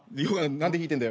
何で引いてんだよ。